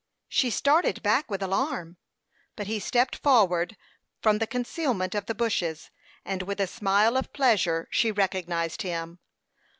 She started back with alarm; but he stepped forward from the concealment of the bushes, and with a smile of pleasure she recognized him.